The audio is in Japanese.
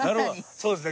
そうですね